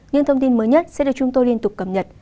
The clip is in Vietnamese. những thông tin mới nhất sẽ được chúng tôi liên tục cập nhật